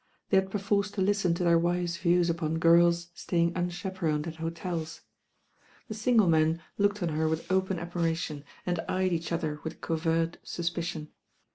They had perforce to listen to their wives' views upon girls staying unchaperoned at hotels. The single men looked on her with open admira tion, and eyed each other with covert suspicion.